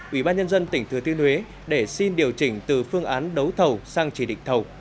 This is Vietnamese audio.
ủy ban nhân dân tỉnh thừa thiên huế để xin điều chỉnh từ phương án đấu thầu sang chỉ định thầu